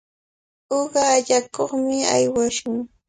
Uqa allakuqmi aywashun.